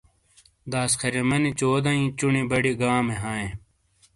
داسخریمانی چودٸیں چُونی بڑیٸے گامے ہاٸیں ۔